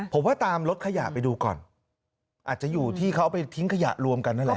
ผมว่าตามรถขยะไปดูก่อนอาจจะอยู่ที่เขาเอาไปทิ้งขยะรวมกันนั่นแหละ